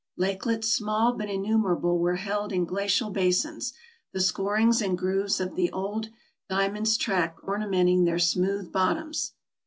Lakelets small but innumerable were held in glacial basins, the scorings and grooves of that old dragon's track ornamenting their smooth bottoms.